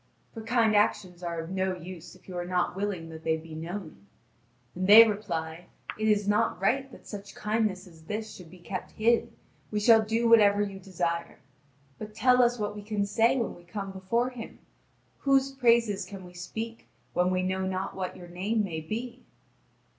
For kind actions are of no use if you are not willing that they be known. And they reply: "It is not right that such kindness as this should be kept hid: we shall do whatever you desire. But tell us what we can say when we come before him. Whose praises can we speak, when we know not what your name may be?"